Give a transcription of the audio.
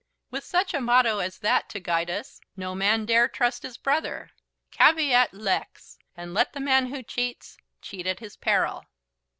With such a motto as that to guide us no man dare trust his brother. Caveat lex, and let the man who cheats cheat at his peril."